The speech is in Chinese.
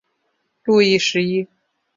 路易十一。